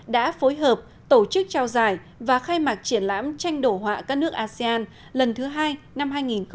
đã phối hợp tổ chức trao giải và khai mạc triển lãm tranh đồ họa các nước asean lần thứ hai năm hai nghìn hai mươi